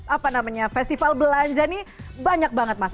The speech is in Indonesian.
ada festival belanja ini banyak banget mas